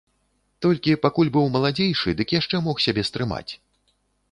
Толькі пакуль быў маладзейшы, дык яшчэ мог сябе стрымаць.